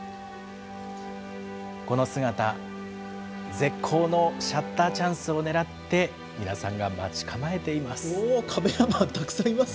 この姿、絶好のシャッターチャンスをねらって、皆さんが待ち構えています。